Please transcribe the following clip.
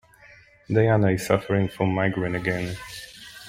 Diana is suffering from migraine again.